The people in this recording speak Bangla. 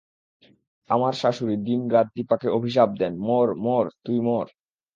আমার শাশুড়ি দিন-রাত দিপাকে অভিশাপ দেন-মর, মর, তুই মর।